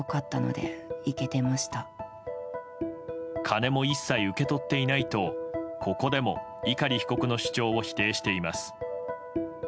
金も一切受け取っていないとここでも碇被告の主張を否定しています。